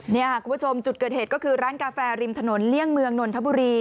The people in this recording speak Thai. นี่ค่ะคุณผู้ชมจุดเกิดเหตุก็คือร้านกาแฟริมถนนเลี่ยงเมืองนนทบุรี